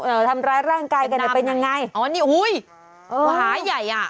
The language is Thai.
ทำร้ายร่างกายกันจะเป็นยังไงอ๋อนี่อุ้ยมหาใหญ่อ่ะ